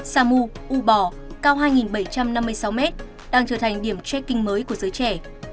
samu u bò cao hai bảy trăm năm mươi sáu mét đang trở thành điểm tracking mới của giới trẻ